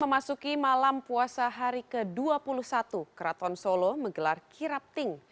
memasuki malam puasa hari ke dua puluh satu keraton solo menggelar kirap ting